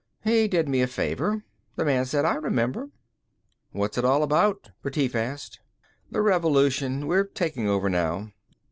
"He did me a favor," the man said. "I remember." "What's it all about?" Retief asked. "The revolution. We're taking over now."